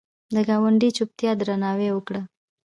د ګاونډي چوپتیا درناوی وکړه